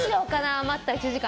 余った１時間。